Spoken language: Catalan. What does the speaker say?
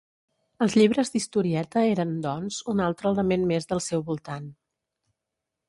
Els llibres d'historieta eren, doncs, un altre element més del seu voltant.